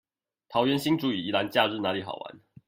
桃園新竹與宜蘭假日哪裡好玩